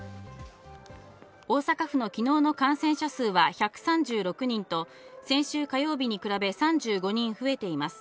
大阪府の昨日の感染者数は１３６人と、先週火曜日に比べ３５人増えています。